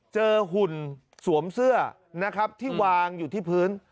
หุ่นสวมเสื้อนะครับที่วางอยู่ที่พื้น